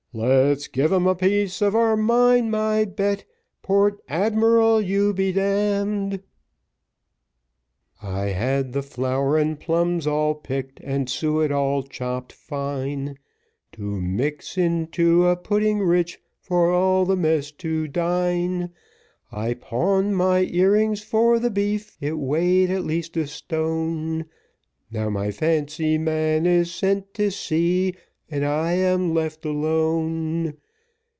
Let's give him a piece of our mind, my Bet, Port Admiral, you be d d. I had the flour and plums all picked, and suet all chopped fine, To mix into a pudding rich for all the mess to dine; I pawned my ear rings for the beef, it weighed at least a stone, Now my fancy man is sent to sea, and I am left alone.